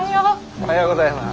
おはようございます。